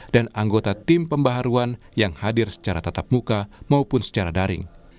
dan anggota tim pembaharuan yang hadir secara tetap muka maupun secara daring